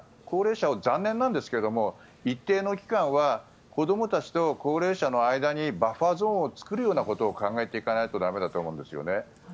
高齢者を残念なんですけども一定の期間は子どもたちと高齢者の間にバッファゾーンを作るようなことを考えていかないと駄目だと思うんですよね。